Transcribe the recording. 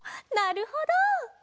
なるほど。